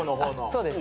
そうです。